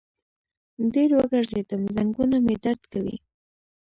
ډېر وګرځیدم، زنګنونه مې درد کوي